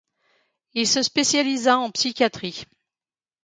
Il se spécialisa en psychiatrie.